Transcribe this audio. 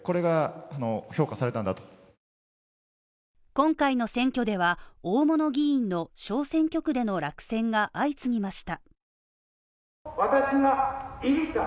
今回の選挙では大物議員の小選挙区での落選が相次ぎました。